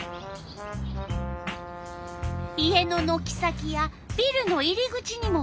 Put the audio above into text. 家ののき先やビルの入り口にも来る。